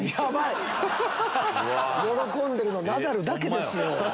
喜んでるのナダルだけですよ。